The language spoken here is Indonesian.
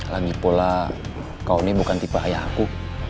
lagipula kau ini bukan tipe ayahku